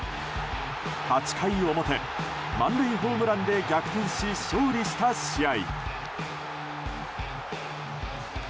８回表、満塁ホームランで逆転し勝利した試合。